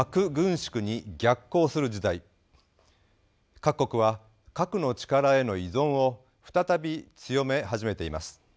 各国は核の力への依存を再び強め始めています。